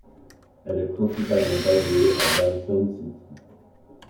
Elle est principalement basée à Dawson City.